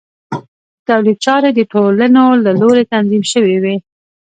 د تولید چارې د ټولنو له لوري تنظیم شوې وې.